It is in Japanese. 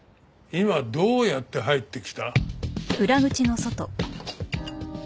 今どうやって入ってきた？